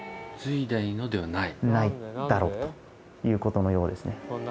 ないだろうということのようですね。